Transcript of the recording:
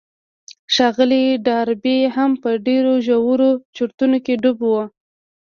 ښاغلی ډاربي هم په ډېرو ژورو چورتونو کې ډوب و.